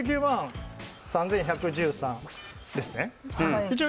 ８９万３１１３ですね。